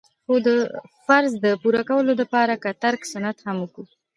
خو د فرض د پوره کولو د پاره که ترک سنت هم وکو.